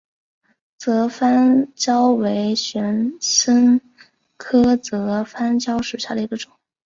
泽番椒为玄参科泽番椒属下的一个种。